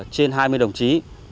trên hai mươi đồng chí